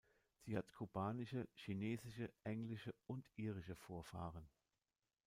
Sie hat kubanische, chinesische, englische und irische Vorfahren.